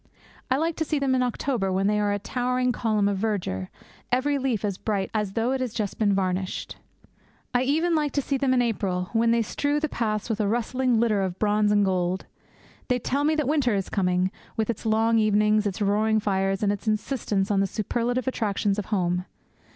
I like to see them in October, when they are a towering column of verdure, every leaf as bright as though it has just been varnished. I even like to see them in April, when they strew the paths with a rustling litter of bronze and gold. They tell me that winter is coming, with its long evenings, its roaring fires, and its insistence on the superlative attractions of home.